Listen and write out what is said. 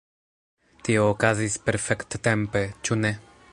Tio okazis perfekt-tempe, ĉu ne?